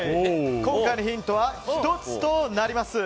今回のヒントは１つとなります。